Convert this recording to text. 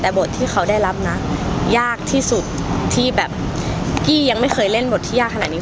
แต่บทที่เขาได้รับนะยากที่สุดที่แบบกี้ยังไม่เคยเล่นบทที่ยากขนาดนี้